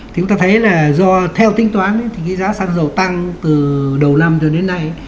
chúng ta thấy là theo tính toán thì giá sang dầu tăng từ đầu năm cho đến nay